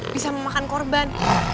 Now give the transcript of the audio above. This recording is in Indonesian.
bisa memakan korban